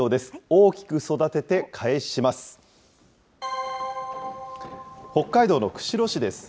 大きく育てて返します。